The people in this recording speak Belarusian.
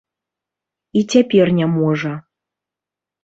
І цяпер не можа.